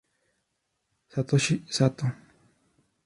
Satoshi Sato